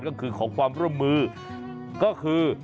ก็คือขอความร่วมมือก็คือ